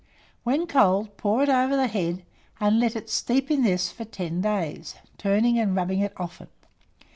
When cold, pour it over the head, and let it steep in this for 10 days, turning and rubbing it often.